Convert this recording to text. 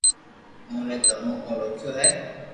اوني تمو ڪو روڪيو ھي